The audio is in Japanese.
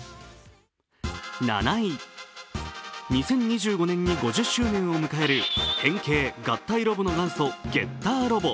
７位、２０２５年に５０周年を迎える変形・合体ロボットの元祖「ゲッターロボ」。